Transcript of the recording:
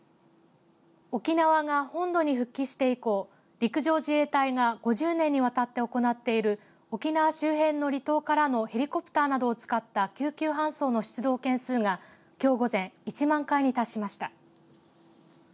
沖縄が本土に復帰して以降陸上自衛隊が５０年にわたって行っている沖縄周辺の離島からのヘリコプターなどを使った救急搬送の出動件数がきょう午前１万回に達しました。